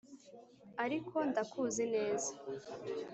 ariko ndakuzi neza.